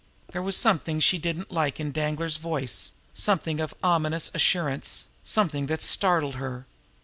There was something she did not like in Danglar's voice, something of ominous assurance, something that startled her.